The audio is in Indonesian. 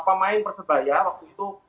pemain persebaya waktu itu